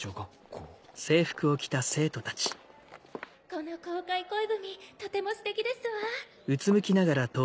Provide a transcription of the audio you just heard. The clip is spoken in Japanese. この公開恋文とてもステキですわ！